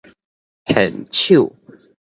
獻醜